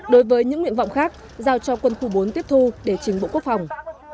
đối với những nguyện vọng khác giao cho quân khu bốn tiếp thu để chính bộ quốc phòng